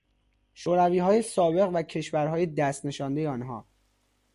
شورویهای سابق و کشورهای دست نشاندهی آنها